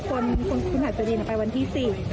ไปกับคุณอาจารย์วันที่๔